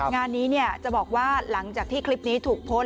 งานนี้จะบอกว่าหลังจากที่คลิปนี้ถูกโพสต์